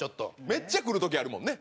めっちゃ来る時あるもんね。